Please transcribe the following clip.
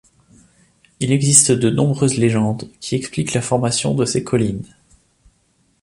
Il existe de nombreuses légendes qui expliquent la formation de ces collines.